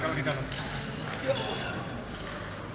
terus lagi ini berpuasa